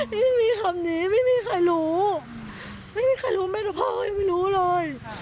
ไม่มีคำนี้ไม่มีใครรู้ไม่มีใครรู้ไม่รู้พ่อยังไม่รู้เลย